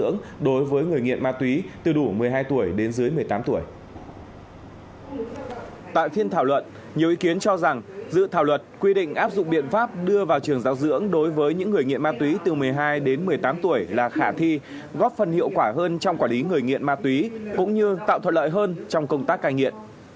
nhiều ý kiến cho rằng dự thảo luật quy định áp dụng biện pháp đưa vào trường giáo dưỡng đối với những người nghiện ma túy từ một mươi hai đến một mươi tám tuổi là khả thi góp phần hiệu quả hơn trong quản lý người nghiện ma túy cũng như tạo thuận lợi hơn trong công tác cài nghiện